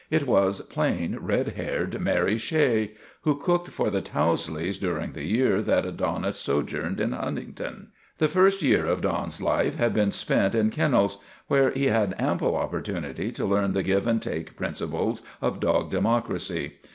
It was plain, red haired Mary Shea who cooked for the Towsleys during the year that Adonis sojourned in Huntington. The first year of Don's life had been spent in kennels, where he had ample opportunity to learn the give and take principles of dog democracy.